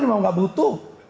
memang tidak butuh